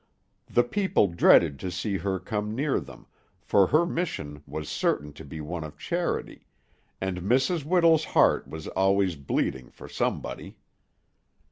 The people dreaded to see her come near them, for her mission was certain to be one of charity, and Mrs. Whittle's heart was always bleeding for somebody.